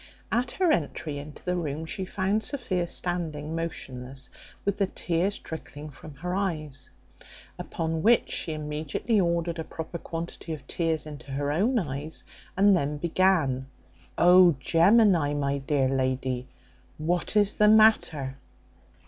At her entry into the room, she found Sophia standing motionless, with the tears trickling from her eyes. Upon which she immediately ordered a proper quantity of tears into her own eyes, and then began, "O Gemini, my dear lady, what is the matter?"